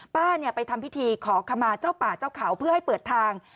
ไปทำพิธีขอขมาเจ้าป่าเจ้าเขาเพื่อให้เปิดทาง